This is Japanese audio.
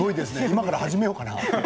今から始めようかな。